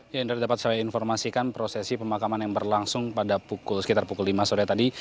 ya indra dapat saya informasikan prosesi pemakaman yang berlangsung pada sekitar pukul lima sore tadi